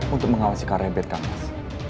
untuk mengawasi karebet kamas